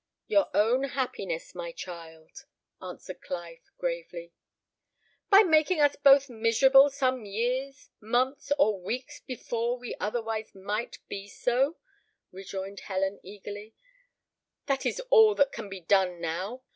"Your own happiness, my child," answered Clive, gravely. "By making us both miserable some years, months, or weeks, before we otherwise might be so," rejoined Helen, eagerly; "that is all that can be done now.